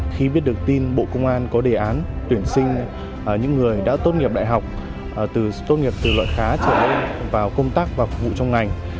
khi biết được tin bộ công an có đề án tuyển sinh những người đã tốt nghiệp đại học từ tốt nghiệp từ loại khá trở lên vào công tác và phục vụ trong ngành